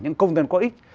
những công dân có ích